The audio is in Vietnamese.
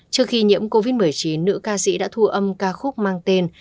trước khi nhiễm covid một mươi chín nữ ca sĩ đã thu âm ca khúc mang tên